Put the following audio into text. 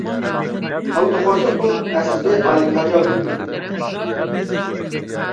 Ew dixwaze ku ez sibê alîkariya wî bikim.